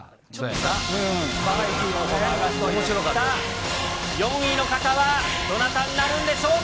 さあ、４位の方はどなたになるんでしょうか。